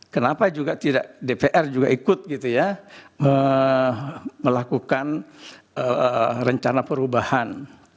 kenapa juga tidak dpr juga ikut gitu ya melakukan rencana perubahan